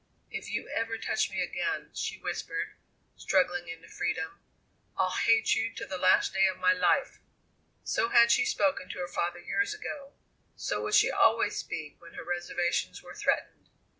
"If you ever touch me again," she whispered, struggling into freedom, "I'll hate you to the last day of my life!" So had she spoken to her father years ago; so would she always speak when her reservations were threatened.